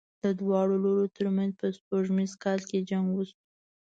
د دواړو لورو تر منځ په سپوږمیز کال جنګ وشو.